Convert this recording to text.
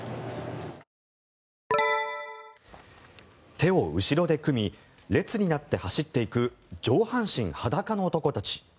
手を後ろで組み列になって走っていく上半身裸の男たち。